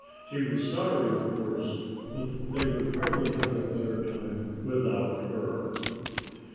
She was sorry of course but they would probably have a better time without her.